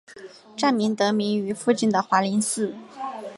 站名得名于附近的华林寺。